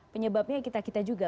penyebabnya kita juga